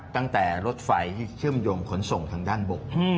ตั้งแต่รถไฟที่เชื่อมโยงขนส่งทางด้านบก